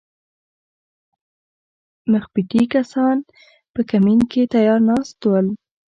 مخپټي کسان په کمین کې تیار ناست ول